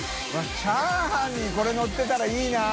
Δ錣チャーハンにこれのってたらいいな！